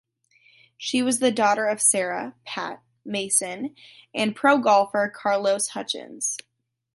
She was the daughter of Sarah (Pat) Mason and pro golfer Carlos Hutchins.